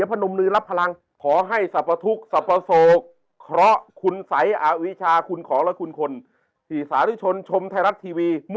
เป็นไงเมื่อกี้ดีไหม